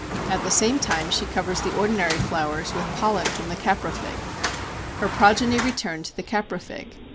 At the same time she covers the ordinary flowers with pollen from the caprifig. Her progeny return to the caprifig.